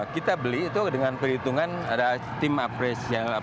kita beli itu dengan perhitungan ada tim apres yang delapan